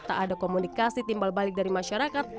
tak ada komunikasi timbal balik dari masyarakat